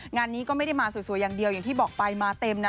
งานนี้ก็ไม่ได้มาสวยอย่างเดียวอย่างที่บอกไปมาเต็มนะ